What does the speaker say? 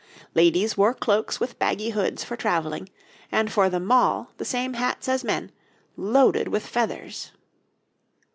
Ladies wore cloaks with baggy hoods for travelling, and for the Mall the same hats as men, loaded with feathers.